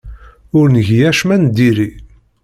Ur ngi acemma n diri.